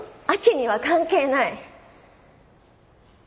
亜紀には関係ない。